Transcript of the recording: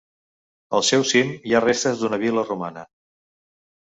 Al seu cim hi ha restes d'una vil·la romana.